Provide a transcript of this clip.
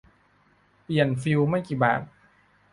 เปลี่ยนฟิวส์ไม่กี่บาท